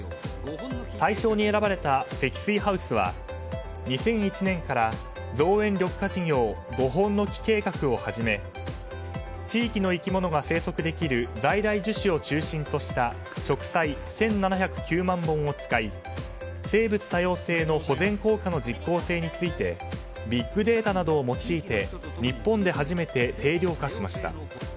大賞に選ばれた積水ハウスは２００１年から造園緑化事業５本の樹計画をはじめ地域の生き物が生息できる在来樹種を中心とした植栽１７０９万本を使い生物多様性の保全効果の実効性についてビッグデータなどを用いて日本で初めて定量化しました。